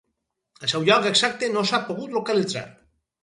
El seu lloc exacte no s'ha pogut localitzar.